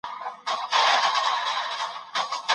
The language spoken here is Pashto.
د سياستپوهنې لوستل او څېړل له ځينو ستونزو سره مخ دي.